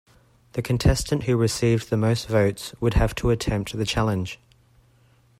The contestant who received the most votes would have to attempt the challenge.